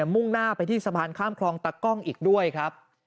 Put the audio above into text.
มุ่งหน้าไปที่สะพานข้ามคลองตะกล้องอีกด้วยครับ